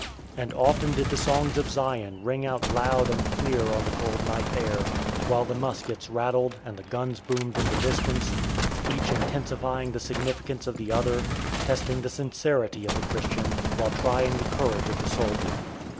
And often did the songs of Zion ring out loud and clear on the cold night air, while the muskets rattled and the guns boomed in the distance, each intensifying the significance of the other, testing the sincerity of the Christian while trying the courage of the soldier.